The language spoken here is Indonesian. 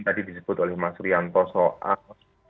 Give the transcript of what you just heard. tadi disebut oleh mas rianto soal